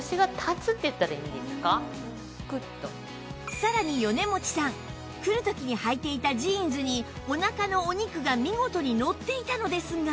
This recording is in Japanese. さらに米持さん来る時にはいていたジーンズにお腹のお肉が見事にのっていたのですが